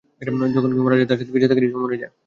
যখন কেউ মারা যায়, তার সাথে বেঁচে থাকার ইচ্ছাও মরে যায়।